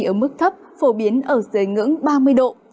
ở mức thấp phổ biến ở dưới ngưỡng ba mươi độ